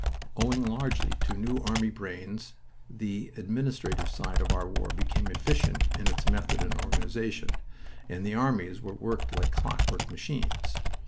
Owing largely to new army brains the administrative side of our war became efficient in its method and organization, and the armies were worked like clockwork machines.